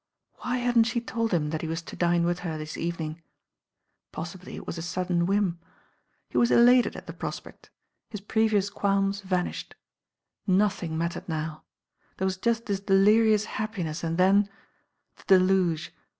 Why hadn't she told him that he was to dme with her this evening? Possibly it was a sudden whim. He was elated at the prospect. His previous qualms vanished. Nothing mattered now There was just this delirious happiness, and then— the deluge.